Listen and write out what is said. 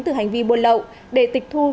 từ hành vi buôn lậu để tịch thu